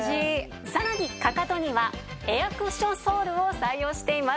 さらにかかとにはエアクッションソールを採用しています。